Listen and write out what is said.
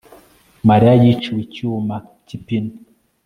Mariya yiciwe icyuma cyipine